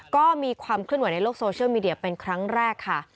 ก็มีความเคลื่อนไหวในโลกโซเชียลมีเดียเป็นครั้งแรกค่ะ